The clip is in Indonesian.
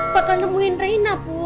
bakal nemuin rina bu